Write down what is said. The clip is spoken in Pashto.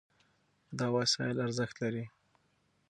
دا وسایل ارزښت لري.